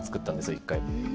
１回。